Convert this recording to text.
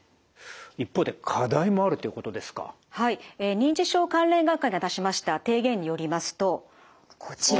認知症関連学会が出しました提言によりますとこちら。